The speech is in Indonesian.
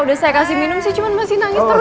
udah saya kasih minum sih cuman masih nangis terus